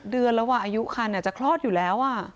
เดือนแล้วอายุคันจะคลอดอยู่แล้ว